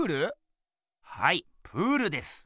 はいプールです。